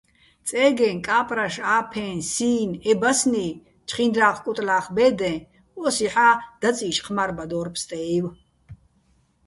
წე́გე, კა́პრაშ, ა́ფეჼ, სი́ნ - ე ბასნი, ჩხინდრა́ხ-კუტლა́ხ ბე́დეჼ, ოსიჰ̦ა́ დაწიშ ჴმა́რბადორ ფსტე́ივ.